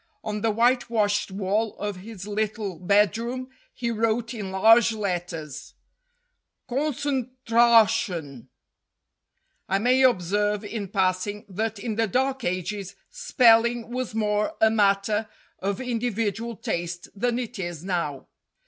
On the whitewashed wall of his little bedroom he wrote in large letters "CONCENTRASHUN." I may ob serve in passing that in the Dark Ages spelling was more a matter of individual taste than it is now.